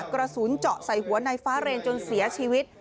กระสุนเจาะใส่หัวในฟ้าเรนจนเสียชีวิต